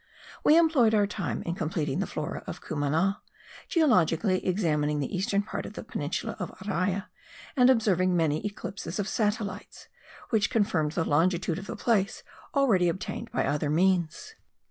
We employed our time in completing the Flora of Cumana, geologically examining the eastern part of the peninsula of Araya, and observing many eclipses of satellites, which confirmed the longitude of the place already obtained by other means.